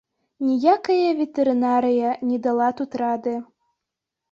Ніякая ветэрынарыя не дала тут рады.